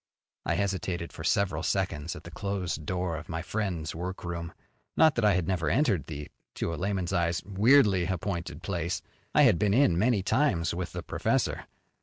I hesitated for several seconds at the closed door of my friend's workroom. Not that I had never entered the to a layman's eyes weirdly appointed place. I had been in many times with the professor.